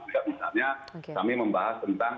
misalnya kami membahas tentang